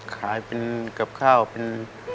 ขายเป็นกับข้าวเป็น